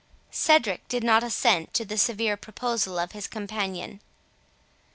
Cedric did not assent to the severe proposal of his companion.